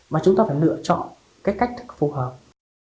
mà chúng ta phải lựa chọn cái cách thức phù hợp